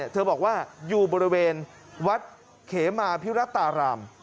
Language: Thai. เธอบอกว่าอยู่บริเวณวัดเขมาพิรัตราราม